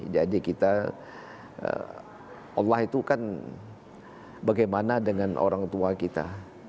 jadi kita allah itu kan bagaimana dengan orang tua kita